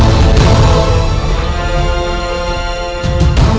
hanya merasakan semua beg comparing